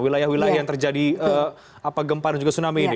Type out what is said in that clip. wilayah wilayah yang terjadi gempa dan juga tsunami ini